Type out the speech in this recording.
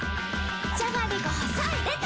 じゃがりこ細いでた‼